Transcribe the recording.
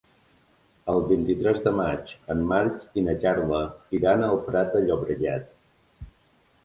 El vint-i-tres de maig en Marc i na Carla iran al Prat de Llobregat.